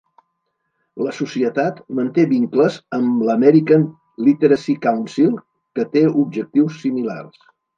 La societat manté vincles amb l'American Literacy Council, que té objectius similars.